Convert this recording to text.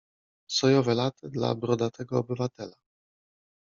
Sojowe late dla brodatego obywatela.